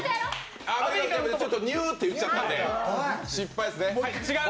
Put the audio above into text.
ニューって言っちゃったんで失敗ですね。